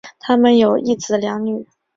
他们有一子两女。